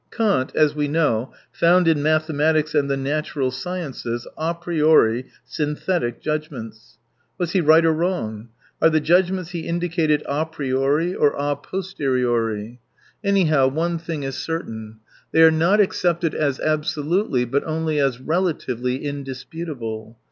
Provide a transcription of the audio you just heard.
— Kant, as we know, found in mathematics and the natural sciences . a priori synthetic judg ments. Was he right or wrong ? Are the judgments he indicated a priori or a zi6 posteriori ? Anyhow, one thing is certain : they are not accepted as absolutely, but only as relatively indisputable.